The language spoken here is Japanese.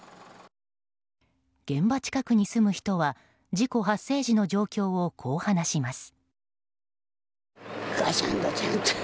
現場近くに住む人は事故発生時の状況をこう話します。